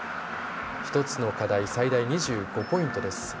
１つで最大、０．５ポイントです。